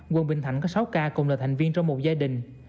quận bình thạnh có sáu ca cùng là thành viên trong một gia đình